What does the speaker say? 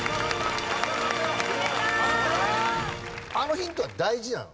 あのヒントは大事なの？